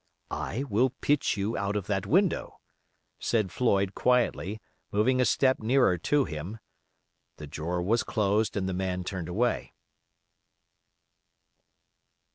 "I will pitch you out of that window," said Floyd, quietly, moving a step nearer to him. The drawer was closed, and the man turned away.